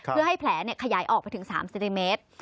เพื่อให้แผลขยายออกไปถึง๓เซนติเมตร